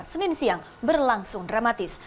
senin siang berlangsung dramatis